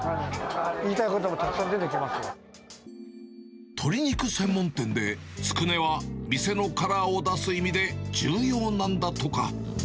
言いたいこともたくさん出てきま鶏肉専門店で、つくねは店のカラーを出す意味で重要なんだとか。